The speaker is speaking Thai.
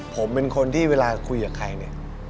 ผมเป็นคนที่เวลาคุยกับใครเนี่ย